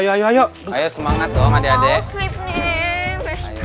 ayo semangat dong adek adek